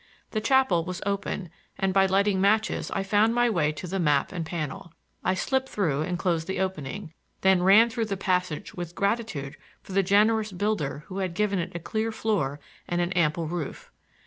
The chapel was open, and by lighting matches I found my way to the map and panel. I slipped through and closed the opening; then ran through the passage with gratitude for the generous builder who had given it a clear floor and an ample roof.